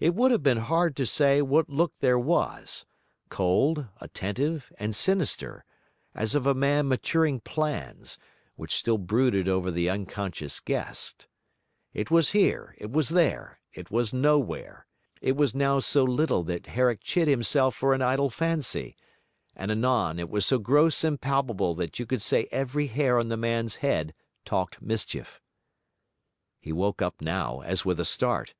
It would have been hard to say what look there was, cold, attentive, and sinister, as of a man maturing plans, which still brooded over the unconscious guest; it was here, it was there, it was nowhere; it was now so little that Herrick chid himself for an idle fancy; and anon it was so gross and palpable that you could say every hair on the man's head talked mischief. He woke up now, as with a start.